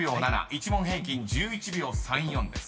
１問平均１１秒３４です］